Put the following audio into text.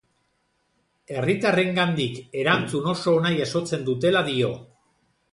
Herritarrengandik erantzun oso ona jasotzen dutela dio.